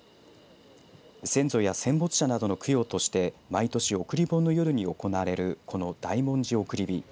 先祖や戦没者などの供養として毎年送り盆の夜に行われるこの大文字送り火。